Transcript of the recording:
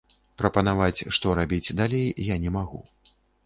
Прапанаваць, што рабіць далей, я не магу.